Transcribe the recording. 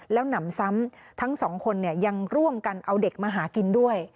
แล้วหนำซ้ำทั้งสองคนยังร่วมกันเอาเด็กมาหากินด้วย